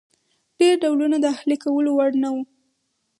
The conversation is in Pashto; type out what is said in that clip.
ډېر ډولونه د اهلي کولو وړ نه وو.